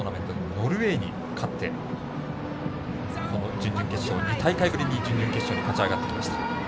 ノルウェーに勝ってこの準々決勝、２大会ぶりに勝ち上がってきました。